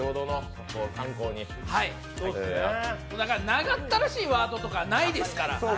長ったらしいワードとかないですから。